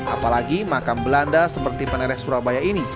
apalagi makam belanda seperti penereh surabaya ini